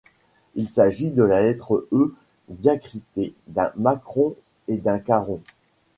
Il s’agit de la lettre E diacritée d’un macron et d’un caron.